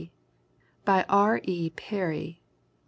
By R. E. Peary.